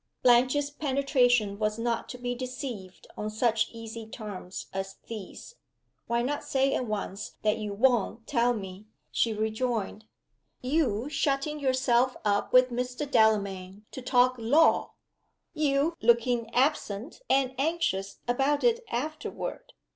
Blanche's penetration was not to be deceived on such easy terms as these. "Why not say at once that you won't tell me?" she rejoined. "You shutting yourself up with Mr. Delamayn to talk law! You looking absent and anxious about it afterward!